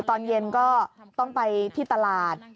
ตอนเย็นก็ต้องไปที่ตลาด